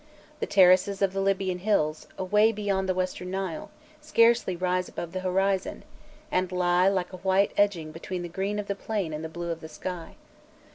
The terraces of the Libyan hills, away beyond the Western Nile, scarcely rise above the horizon, and lie like a white edging between the green of the plain and the blue of the sky.